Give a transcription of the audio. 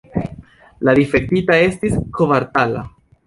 La difektita estis kvartala.